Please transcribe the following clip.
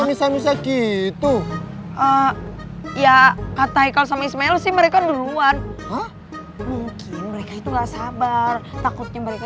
bisa bisa gitu ya kata ikal sama ismail sih mereka duluan mungkin mereka itulah sabar takutnya mereka